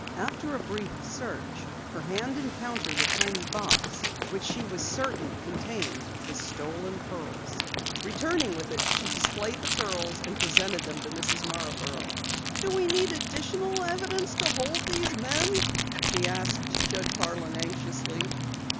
After a brief search her hand encountered a tiny box which she knew must contain the stolen necklace. Returning with it, she displayed the pearls and presented them to Mrs. Marborough. "Do we need additional evidence to hold these men?" she asked Judge Harlan anxiously.